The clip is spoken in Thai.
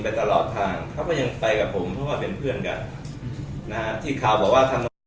กินไปตลอดทางเข็ายังไปกับผมเพื่อว่าเป็นเพื่อนกัน